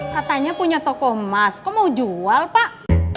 katanya punya toko emas kok mau jual pak